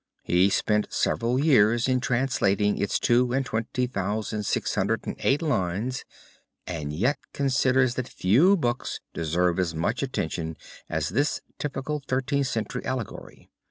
He spent several years in translating its two and twenty thousand six hundred and eight lines and yet considers that few books deserve as much attention as this typical Thirteenth Century allegory.